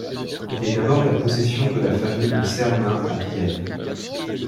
Il est d'abord la possession de la famille de Czernin à Vienne.